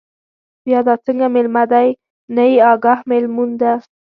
بیا دا څنگه مېلمه دے، نه يې اگاه، مېلمون مه